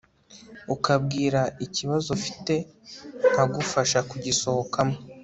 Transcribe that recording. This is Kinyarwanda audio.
ukabwira ikibazo ufite nkagufasha kugisohokamo